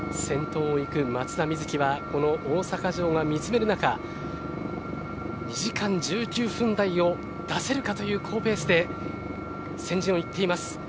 先頭を行く松田瑞生はこの大阪城が見つめる中２時間１９分台を出せるかという好ペースで先陣をいっています。